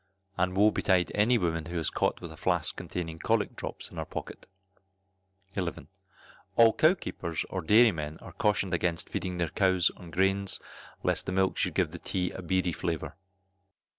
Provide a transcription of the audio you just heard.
And woe betide any woman who is caught with a flask containing cholic drops in her pocket. 11. All cowkeepers or dairymen are cautioned against feeding their cows on grains, lest the milk should give the tea a beery flavour.